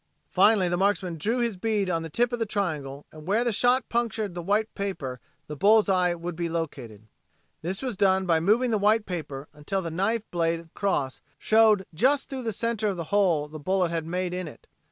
Finally the marksman drew his bead on the tip of the triangle and where the shot punctured the white paper the bull's eye would be located. This was done by moving the white paper until the knife blade cross showed through the center of the hole the bullet had made in it.